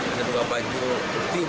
ada dua baju putih